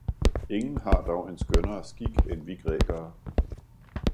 Ingen har dog en skønnere skik, end vi grækere!